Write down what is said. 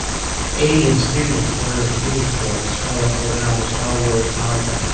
Asian students wearing uniforms collect around a Star Wars icon.